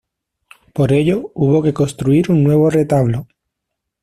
Por ello, hubo que construir un nuevo retablo.